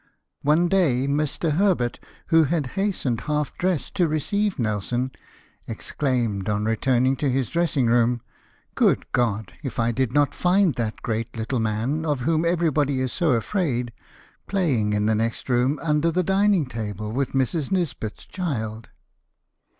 One day Mr. Herbert, who had hastened, half dressed, to 42 LIFE OF NELSON. receive Nelson, exclaimed, on returning to his dress ing room, " Good God ! if I did not find that great little man, of whom everybody is so afraid, playing in the next room, under the dining table, with Mrs. Nisbet's child